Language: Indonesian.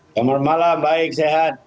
selamat malam baik sehat